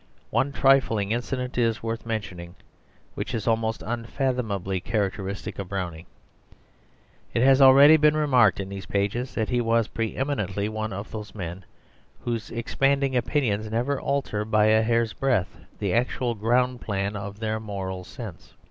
One trifling incident is worth mentioning which is almost unfathomably characteristic of Browning. It has already been remarked in these pages that he was pre eminently one of those men whose expanding opinions never alter by a hairsbreadth the actual ground plan of their moral sense.